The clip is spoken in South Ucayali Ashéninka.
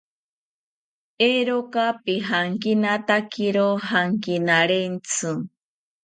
Eeeroka pijankinatakiro jankinarentzi